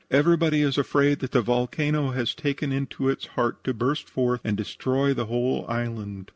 Everybody is afraid that the volcano has taken into its heart to burst forth and destroy the whole island.